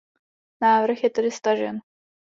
Návrh je tedy stažen.